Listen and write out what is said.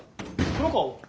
黒川は？